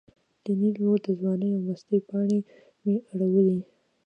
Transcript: د نیل رود د ځوانۍ او مستۍ پاڼې مې اړولې.